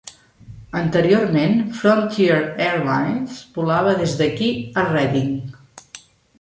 Anteriorment, Frontier Airlines volava des d'aquí a Redding.